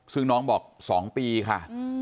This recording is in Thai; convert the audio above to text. ซึ่งน้องบอก๒ปีค่ะ